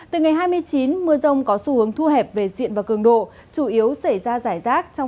từ ngày hai mươi chín mưa rông có xu hướng thu hẹp về diện và cường độ